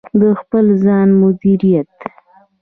د خپل ځان مدیریت: